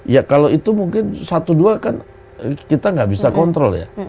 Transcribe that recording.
ya kalau itu mungkin satu dua kan kita nggak bisa kontrol ya